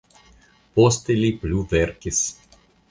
Poste li plu verkis.